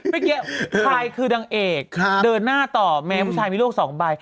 เมื่อกี้ใครคือนางเอกเดินหน้าต่อแม้ผู้ชายมีโรคสองใบ